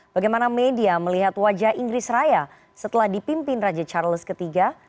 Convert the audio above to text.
bagaimana media melihat wajah inggris raya setelah dipimpin raja charles iii